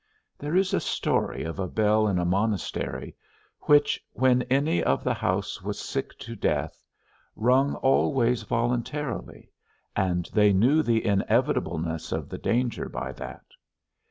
There is a story of a bell in a monastery which, when any of the house was sick to death, rung always voluntarily, and they knew the inevitableness of the danger by that.